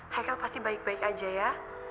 haikal pasti baik baik aja ya